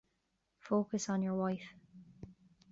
Focus on your wife.